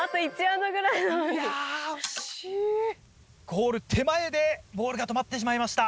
ゴール手前でボールが止まってしまいました。